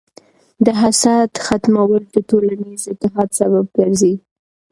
د حسد ختمول د ټولنیز اتحاد سبب ګرځي.